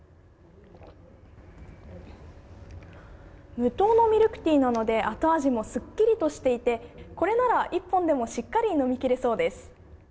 無糖ミルクティーなので後味もすっきりとしていてこれなら１本でもしっかり飲みきれそうです。